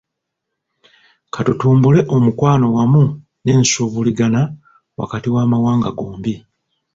Katutumbule omukwano wamu n'ensuubuligana wakati w'amawanga gombi.